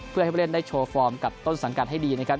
เพื่อให้ผู้เล่นได้โชว์ฟอร์มกับต้นสังกัดให้ดีนะครับ